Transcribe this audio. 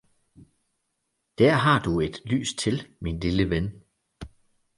Der har du et lys til, min lille ven!